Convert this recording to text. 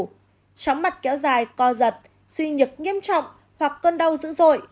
tróng mặt kéo dài co giật suy nhược nghiêm trọng hoặc cơn đau dữ dội